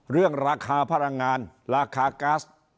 เรื่องราคาพลังงานราคาก๊าซ